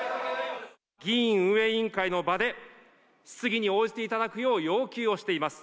議院運営委員会の場で、質疑に応じていただくよう要求をしています。